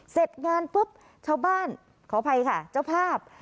เสร็จงานปุ๊บชาวบ้านขออภัยค่ะเจ้าภาพ